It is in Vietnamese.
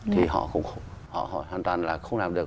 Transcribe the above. thì họ hoàn toàn là không làm được